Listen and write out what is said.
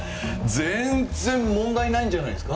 全然問題ないんじゃないですか？